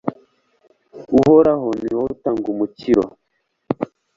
uhoraho, ni wowe utanga umukiro